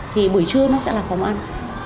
thì buổi trưa nó sẽ là phòng ăn